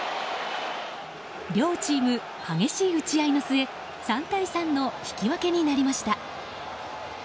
両チーム激しい打ち合いの末３対３の引き分けになりました。